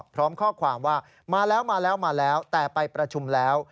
พร้อมข้อความว่ามาแล้วมาแล้วมาแล้วแต่ไปประชุมแล้ว